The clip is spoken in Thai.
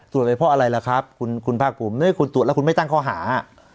ไปเพราะอะไรล่ะครับคุณภาคภูมิคุณตรวจแล้วคุณไม่ตั้งข้อหา